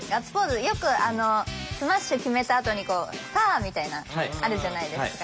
よくあのスマッシュ決めたあとに「サッ！」みたいなあるじゃないですか。